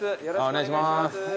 お願いします。